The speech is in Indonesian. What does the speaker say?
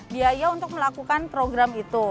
biaya untuk melakukan program itu